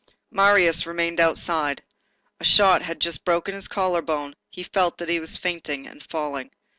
Marius remained outside. A shot had just broken his collar bone, he felt that he was fainting and falling.